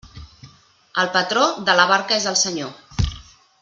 El patró, de la barca és el senyor.